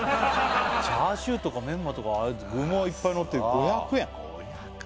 チャーシューとかメンマとか具もいっぱいのって５００円ああ５００円